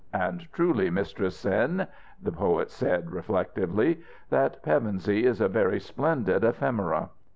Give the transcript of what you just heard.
And truly, Mistress Cyn," the poet said, reflectively, "that Pevensey is a very splendid ephemera.